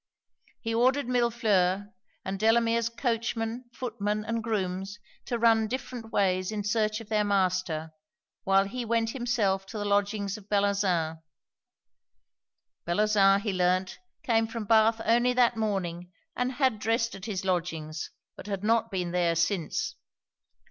He ordered Millefleur, and Delamere's coachman, footmen, and grooms, to run different ways in search of their master, while he went himself to the lodgings of Bellozane. Bellozane, he learnt, came from Bath only that morning, and had dressed at his lodgings, but had not been there since.